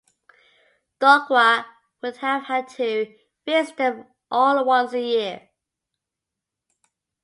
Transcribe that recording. Docwra would have had to visit them all once a year.